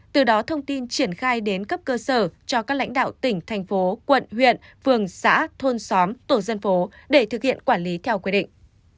từ đó thông tin triển khai đến cấp cơ sở cho các lãnh đạo tỉnh thành phố quận huyện phường xã thôn xóm tổ dân phố để thực hiện quản lý theo quy định